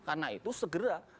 karena itu segera